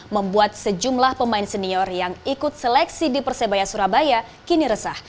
membuat sejumlah pemain senior yang ikut seleksi di persebaya surabaya kini resah